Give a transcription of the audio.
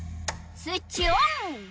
スイッチオン！